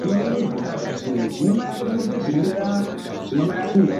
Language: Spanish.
Jugó la mayor parte de su carrera en equipos colombianos.